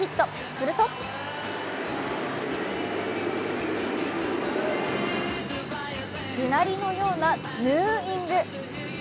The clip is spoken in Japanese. すると地鳴りのようなヌーイング。